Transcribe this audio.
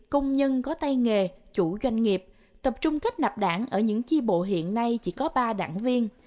công nhân có tay nghề chủ doanh nghiệp tập trung kết nạp đảng ở những chi bộ hiện nay chỉ có ba đảng viên